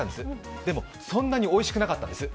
でもそんなにおいしくなかったんです。